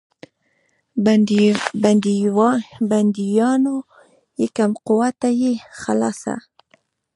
بندیوان یې کم قوته نه یې خلاص.